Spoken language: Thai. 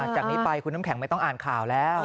จากนี้ไปคุณน้ำแข็งไม่ต้องอ่านข่าวแล้ว